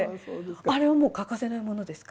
あれはもう欠かせないものですか？